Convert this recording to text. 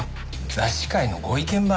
雑誌界のご意見番。